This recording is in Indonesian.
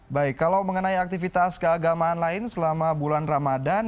baik kalau mengenai aktivitas keagamaan lain selama bulan ramadan